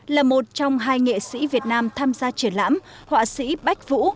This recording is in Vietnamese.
là một trong hai nghệ sĩ việt nam tham gia triển lãm họa sĩ bách vũ